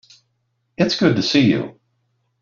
It's good to see you.